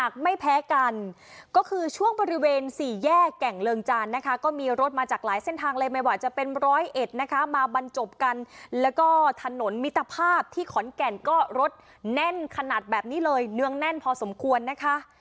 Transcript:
ก็คือช่วงบริเวณสี่แยกแก่งเริงจานนะคะก็มีรถมาจากหลายเส้นทางเลยไม่ว่าจะเป็นร้อยเอ็ดนะคะมาบรรจบกันแล้วก็ถนนมิตภาพที่ขอนแก่นก็รถแน่นขนาดแบบนี้เลยเนื้องแน่นพอสมควรนะคะ